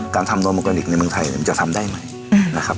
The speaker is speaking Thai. การทำโลโหมอลกาลิกในเมืองไทยมันจะทำได้ไหม